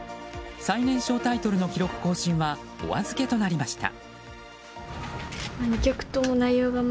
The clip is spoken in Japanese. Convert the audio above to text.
最年少タイトルの記録更新はお預けとなりました。